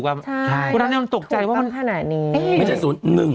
ตรงนั้นนั้นมันตกใจว่ามัน